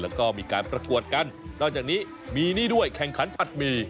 แล้วก็มีการประกวดกันนอกจากนี้มีนี่ด้วยแข่งขันถัดหมี่